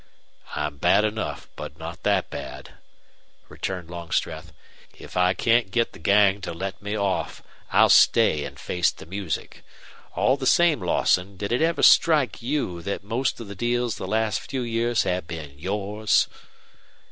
"I'm bad enough, but not that bad," returned Longstreth. "If I can't get the gang to let me off, I'll stay and face the music. All the same, Lawson, did it ever strike you that most of the deals the last few years have been YOURS?"